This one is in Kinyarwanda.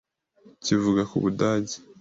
kivuga ku Budage.